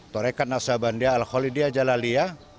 tarekat naksabendi al holidya jalaliyah